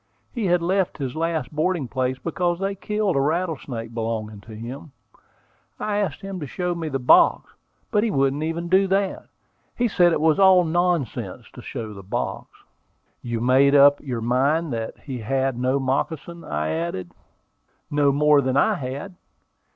He had left his last boarding place because they killed a rattlesnake belonging to him. I asked him to show me the box, but he wouldn't even do that, and said it was all nonsense to show the box." "You made up your mind that he had no moccasin?" I added. "No more than I had.